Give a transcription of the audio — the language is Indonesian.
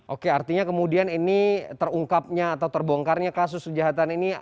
oke artinya kemudian ini terungkapnya atau terbongkarnya kasus kejahatan ini